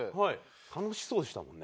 楽しそうでしたもんね。